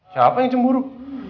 siapa yang cemburu